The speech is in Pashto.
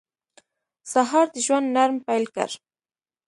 سهار د ژوند نرم پیل دی.